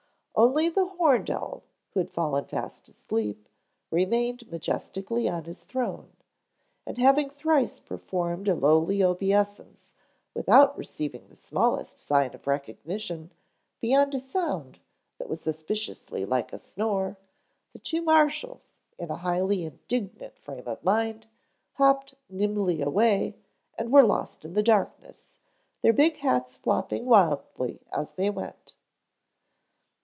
Only the horned owl, who had fallen fast asleep, remained majestically on his throne, and having thrice performed a lowly obeisance without receiving the smallest sign of recognition beyond a sound that was suspiciously like a snore, the two marshals, in a highly indignant frame of mind, hopped nimbly away and were lost in the darkness, their big hats flopping wildly as they went.